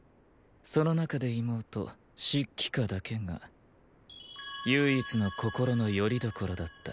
その中で妹紫季歌だけが唯一の心の拠り所だった。